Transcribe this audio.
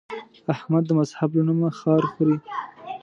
احمد د مذهب له نومه خار خوري.